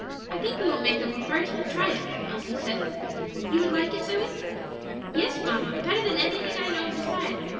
I think we will make up a party and try it," Elsie said. "You would like it, Zoe?" "Yes, mamma, better than anything I know of beside.